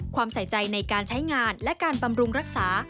ใส่ใจในการใช้งานและการบำรุงรักษา